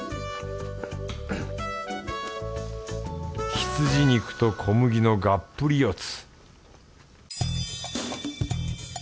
羊肉と小麦のがっぷり四つ